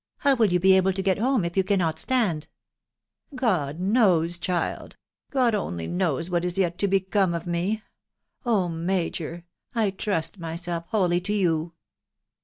" How will you he able to get home if you cannot stand ?" se God knows, child !".... God only knows what is yet to become of me .... Oh ! major, I trust myself wholly to you."